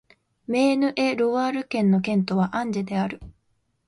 メーヌ＝エ＝ロワール県の県都はアンジェである